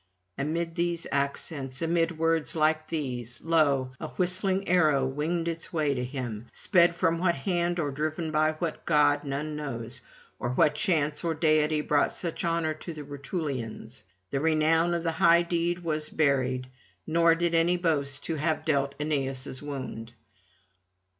Amid these accents, amid words like these, lo! a whistling arrow winged its way to him, sped from what hand or driven by what god, none knows, or what chance or deity brought such honour to the Rutulians; the renown of the high deed was buried, nor did any boast to have dealt Aeneas' wound.